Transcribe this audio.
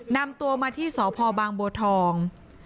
นำตัวมาที่สพบางบัวทอง